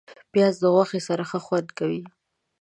پیاز د غوښې سره ښه خوند کوي